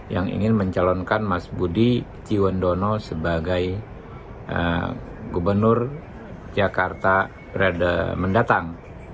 yang ingin mencalonkan mas budi ciwandono sebagai gubernur jakarta mendatang